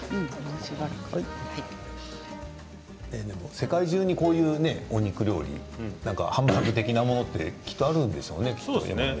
世界中にこういうお肉料理ハンバーグ的なものってあるんでしょうね。